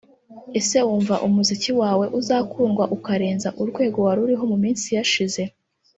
Ese wumva umuziki wawe uzakundwa ukarenza urwego wariho mu minsi yashize